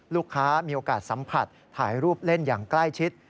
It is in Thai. ลูกค้ามีโอกาสสัมผัสถ่ายรูปเล่นอย่างใกล้ชิด